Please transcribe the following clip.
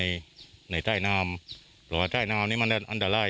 มีคนจมน้ำเสียชีวิต๔ศพแล้วเนี่ยมีเหตุการณ์ที่มีเกิดชีวิต๔ศพแล้วเนี่ย